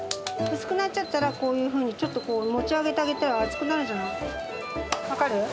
薄くなっちゃったら、こういうふうに、ちょっとこう、持ち上げてあげれば厚くなるじゃん、分かる？